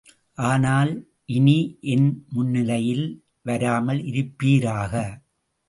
ஆனால் இனி என் முன்னிலையில் வராமல் இருப்பீராக!